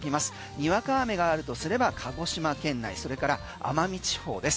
にわか雨があるとすれば鹿児島県内それから奄美地方です。